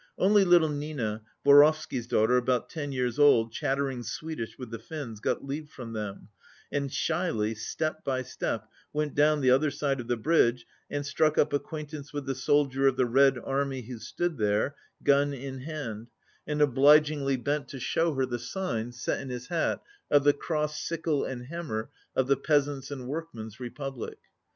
Only little Nina, Vorovsky's daughter, about ten years old, chattering Swed ish with the Finns, got leave from them, and shyly, step by step, went down the other side of the bridge and struck up acquaintance with the soldier of the Red Army who stood there, gun in hand, and obligingly bent to show her the 4 sign, set in his hat, of the crossed sickle and ham mer of the Peasants' and Workmen's Republic.